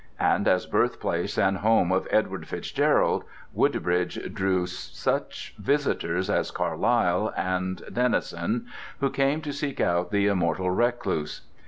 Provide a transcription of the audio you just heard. And as birthplace and home of Edward FitzGerald, Woodbridge drew such visitors as Carlyle and Tennyson, who came to seek out the immortal recluse.